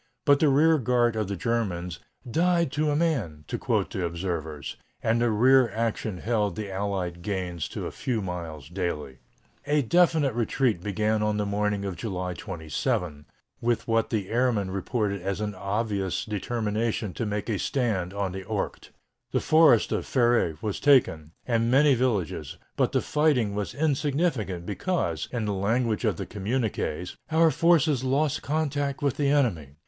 But the rear guard of the Germans "died to a man," to quote the observers, and the rear action held the Allied gains to a few miles daily. A definite retreat began on the morning of July 27, with what the airmen reported as an obvious determination to make a stand on the Ourcq. The forest of Fère was taken, and many villages, but the fighting was insignificant because, in the language of the communiqués, "our forces lost contact with the enemy."